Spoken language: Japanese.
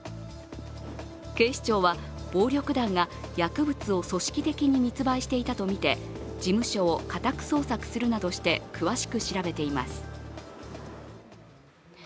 警視庁は、暴力団が薬物を組織的に密売していたとみて事務所を家宅捜索するなどして詳しく調べています。